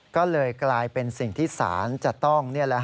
ก็เลยกลายเป็นสิ่งที่ศาลจะต้อง